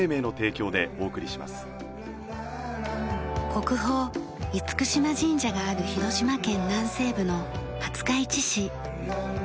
国宝嚴島神社がある広島県南西部の廿日市市。